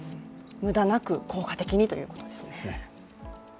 無駄なく効果的にということですね。